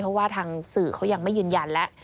เพราะว่าทางสื่อเขายังไม่ยืนยันแล้ว